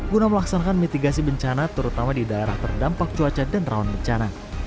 guna melaksanakan mitigasi bencana terutama di daerah terdampak cuaca dan rawan bencana